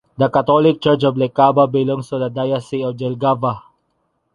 The Catholic church of Iecava belongs to the diocese of Jelgava.